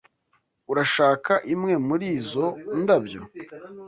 Urashaka imwe muri izo ndabyo?